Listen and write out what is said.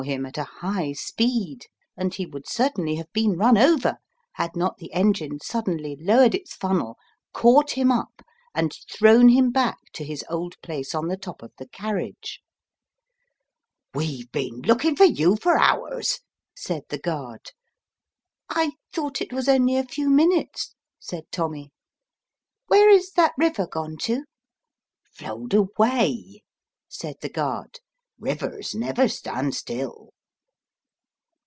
him at a high speed, and he would certainly have been run over had not the engine suddenly lowered its funnel, caught him up and thrown him back to his old place on the top of the carriage. "We've been looking for you for hours/' said the guard. " I thought it was only a few minutes/' said Tommy ;" where is that river gone to ?"" Flowed away," said the guard ; "rivers never stand still."